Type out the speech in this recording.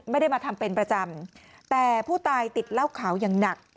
ไม่ได้มาทำเป็นประจำแต่ผู้ตายติดเหล้าขาวอย่างหนัก